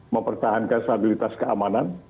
mempertahankan stabilitas keamanan